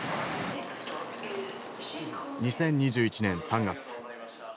２０２１年３月。